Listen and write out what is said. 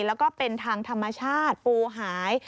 แล้วก็เป็นทางธรรมชาติปูหาย